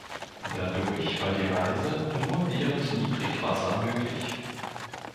Dadurch war die Reise nur während Niedrigwasser möglich.